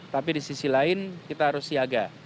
tapi di sisi lain kita harus siaga